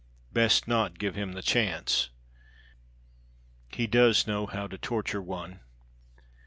Best not give him the chance. He does know how to torture one.